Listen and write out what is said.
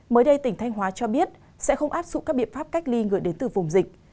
mới đây tỉnh thanh hóa cho biết sẽ không áp dụng các biện pháp cách ly người đến từ vùng dịch